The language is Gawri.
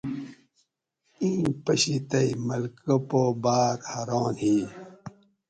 اِیں پشی تئی ملکہ پا باۤر حران ہی